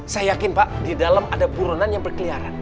saya yakin pak di dalam ada buronan yang berkeliaran